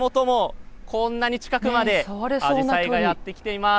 こんなに近くまでアジサイがやって来ています。